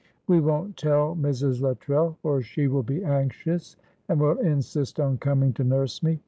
'We won't tell Mrs. Luttrell, or she will be anxious, and will insist on coming to nurse me.